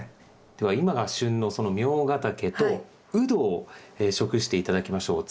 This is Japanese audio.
では今が旬のそのミョウガタケとウドを食して頂きましょう。